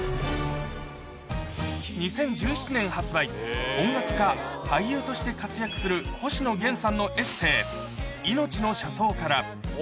２０１７年発売、音楽家、俳優として活躍する星野源さんのエッセー、いのちの車窓から。